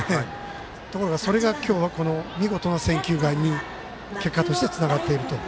ところが、それが今日は見事な選球眼に結果としてつながっていると。